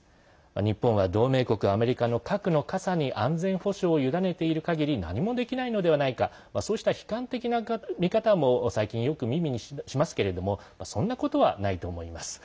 日本は同盟国アメリカの核の傘に安全保障を委ねているかぎり何もできないのではないかそうした悲観的な見方も最近よく耳にしますけれどもそんなことはないと思います。